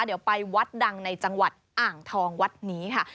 เดี๋ยวไปวัดดังในจังหวัดอ่างทองวัดนี้ค่ะ